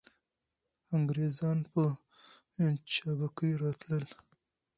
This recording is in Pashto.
انګریزان په چابکۍ راتلل.